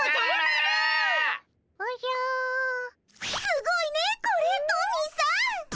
すごいねこれトミーさん。